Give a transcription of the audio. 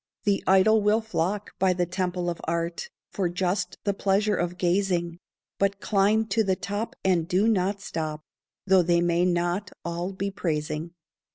The idle will flock by the Temple of Art For just the pleasure of gazing; But climb to the top and do not stop, Though they may not all be praising.